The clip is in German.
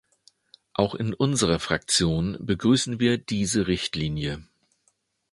Auch in unserer Fraktion begrüßen wir diese Richtlinie.